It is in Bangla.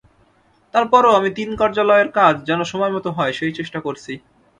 তার পরও আমি তিন কার্যালয়ের কাজ যেন সময়মতো হয়, সেই চেষ্টা করছি।